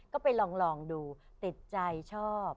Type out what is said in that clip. ก็ไปลองดูติดใจชอบ